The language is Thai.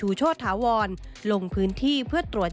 เป็นอย่างไรนั้นติดตามจากรายงานของคุณอัญชาฬีฟรีมั่วครับ